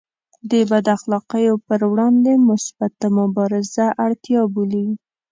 د بد اخلاقیو پر وړاندې مثبته مبارزه اړتیا بولي.